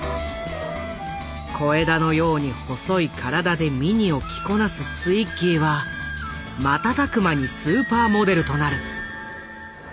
小枝のように細い体でミニを着こなすツイッギーは瞬く間にスーパーモデルとなる。